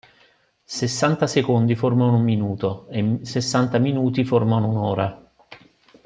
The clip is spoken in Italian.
Sessanta secondi formano un minuto, e sessanta minuti formano una ora.